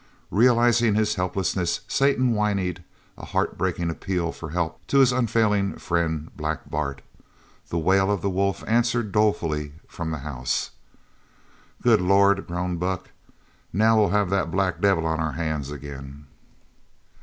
Realizing his helplessness Satan whinnied a heart breaking appeal for help to his unfailing friend, Black Bart. The wail of the wolf answered dolefully from the house. "Good Lord," groaned Buck. "Now we'll have that black devil on our hands again."